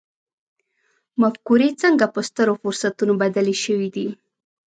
مفکورې څنګه په سترو فرصتونو بدلې شوې دي.